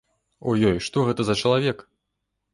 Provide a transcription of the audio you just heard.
Ой, ой, што гэта за чалавек?